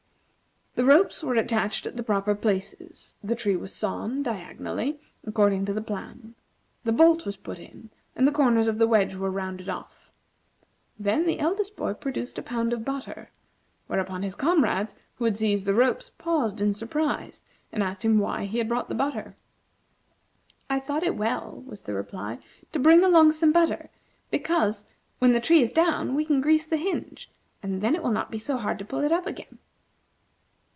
The ropes were attached at the proper places, the tree was sawn, diagonally, according to the plan; the bolt was put in, and the corners of the wedge were rounded off. Then the eldest boy produced a pound of butter, whereupon his comrades, who had seized the ropes, paused in surprise and asked him why he had brought the butter. "I thought it well," was the reply, "to bring along some butter, because, when the tree is down, we can grease the hinge, and then it will not be so hard to pull it up again."